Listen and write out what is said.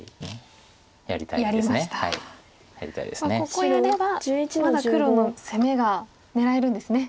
ここやればまだ黒の攻めが狙えるんですね。